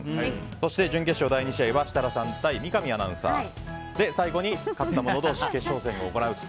そして準決勝第２試合は設楽さん対三上アナウンサーで最後に勝った者同士決勝戦を行うと。